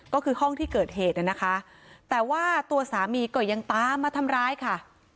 ก็คือห้องที่เกิดเหตุนะคะแต่ว่าตัวสามีก็ยังตามมาทำร้ายค่ะ